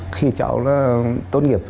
khi cháu tốt nghiệp